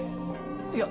いや